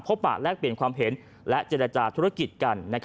ปะแลกเปลี่ยนความเห็นและเจรจาธุรกิจกัน